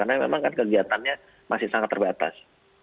karena memang kan kegiatannya masih sangat terbatas